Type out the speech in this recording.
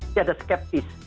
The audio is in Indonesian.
tidak ada skeptis